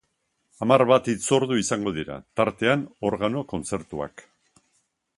Hamar bat hitzordu izango dira, tartean organo kontzertuak.